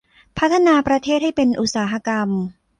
พัฒนาประเทศให้เป็นอุตสาหกรรม